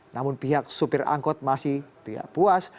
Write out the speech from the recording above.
namun pihak supir angkot masih tidak puas